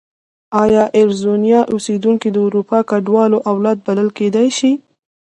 ایا اریزونا اوسېدونکي د اروپایي کډوالو اولاد بلل کېدای شي؟